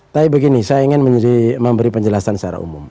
tapi begini saya ingin memberi penjelasan secara umum